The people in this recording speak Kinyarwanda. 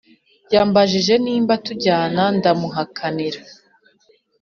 yambajije niba tujyana ndamuhakanira